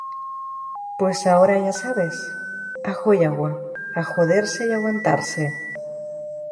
Pues ahora ya sabes, ajo y agua, a joderse y aguantarse